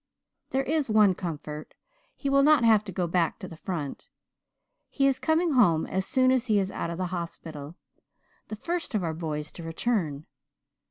"There is one comfort he will not have to go back to the front. He is coming home as soon as he is out of the hospital the first of our boys to return.